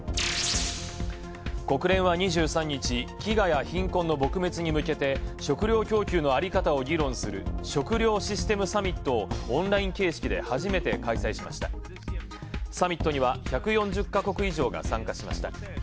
国連は２３日、飢餓や貧困の撲滅にむけて食料供給のあり方を議論する食料サミットをオンライン形式で実施サミットには１４０カ国以上が参加しました。